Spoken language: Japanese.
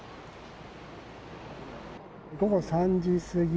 午後３時過ぎ